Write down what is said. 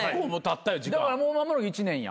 だからもう間もなく１年や。